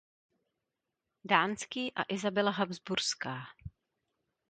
Dánský a Isabela Habsburská.